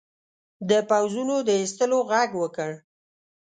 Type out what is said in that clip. د پوځونو د ایستلو ږغ وکړ.